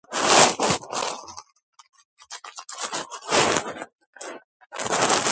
ომის დასრულების შემდეგ ჰაგადა კვლავ მუზეუმს დაუბრუნდა.